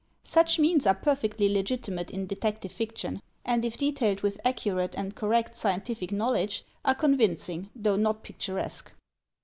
Such means are perfectly legitimate in detective fiction, and if detailed with accurate and correct scientific knowledge are convincing, though not picturesque.